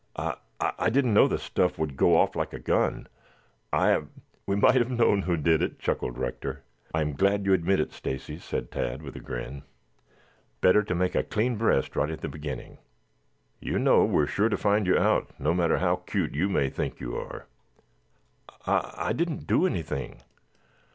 "I I didn't know the stuff would go off like a gun. I I " "We might have known who did it," chuckled Rector. "I am glad you admit it, Stacy," said Tad with a grin. "Better to make a clean breast right at the beginning. You know we are sure to find you out, no matter how cute you may think you are." "I I didn't do anything."